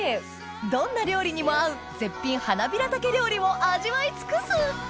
どんな料理にも合う絶品ハナビラタケ料理を味わい尽くす！